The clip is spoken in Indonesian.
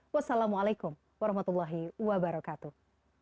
wassalamu'alaikum warahmatullahi wabarakatuh